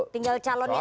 tinggal calonnya aja